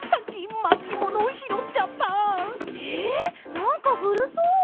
なんかふるそう！